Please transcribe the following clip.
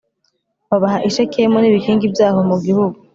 Babaha i Shekemu n ibikingi byaho mu gihugu